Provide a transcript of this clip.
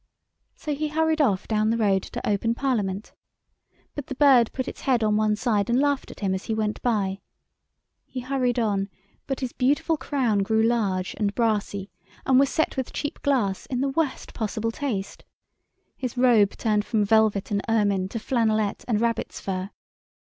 So he hurried off down the road to open Parliament. But the bird put its head on one side and laughed at him as he went by. He hurried on, but his beautiful crown grew large and brassy, and was set with cheap glass in the worst possible taste. His robe turned from velvet and ermine to flannelette and rabbit's fur.